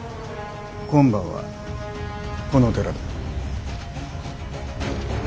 今晩はこの寺で。